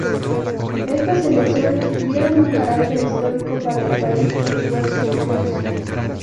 Estas elecciones tuvieron un carácter histórico para el país por diversos puntos.